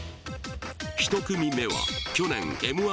１組目は去年「Ｍ−１」